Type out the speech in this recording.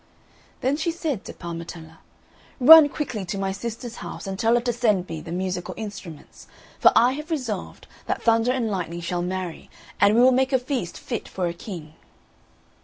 Then she said to Parmetella, "Run quickly to my sister's house, and tell her to send me the musical instruments; for I have resolved that Thunder and Lightning shall marry, and we will make a feast fit for a king."